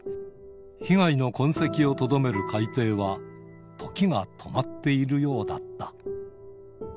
被害の痕跡をとどめる海底は、時が止まっているようだった。